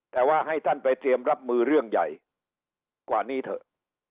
แต่ว่าให้ท่านไปเตรียมรับมือเรื่องใหญ่กว่านี้เถอะ